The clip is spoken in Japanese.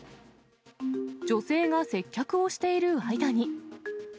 女性が接客をしている間に。